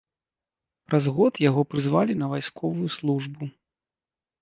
Праз год яго прызвалі на вайсковую службу.